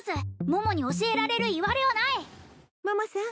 桃に教えられるいわれはない桃さん